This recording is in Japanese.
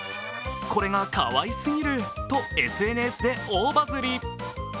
これがかわいすぎるとＳＮＳで大バズり。